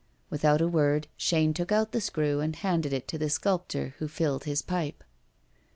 Without a word, Chaîne took out the screw and handed it to the sculptor, who filled his pipe.